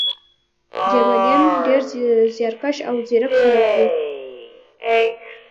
جرمنان ډېر زیارکښ او ځیرک خلک وو